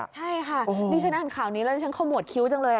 ใช่ค่ะดิฉันอ่านข่าวนี้แล้วฉันขมวดคิ้วจังเลย